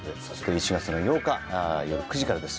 １月の８日よる９時からです。